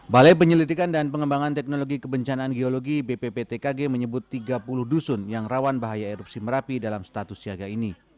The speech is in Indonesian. balai penyelidikan dan pengembangan teknologi kebencanaan geologi bpptkg menyebut tiga puluh dusun yang rawan bahaya erupsi merapi dalam status siaga ini